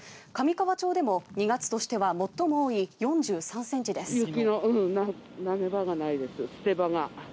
上川町でも２月としては最も多い４３ｃｍです。